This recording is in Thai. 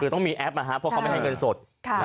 คือต้องมีแอปนะครับเพราะเขาไม่ให้เงินสด